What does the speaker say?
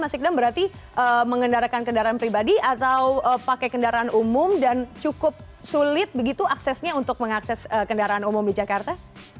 mas sikdam berarti mengendarakan kendaraan pribadi atau pakai kendaraan umum dan cukup sulit begitu aksesnya untuk mengakses kendaraan umum di jakarta